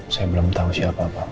saya belum tau siapa pak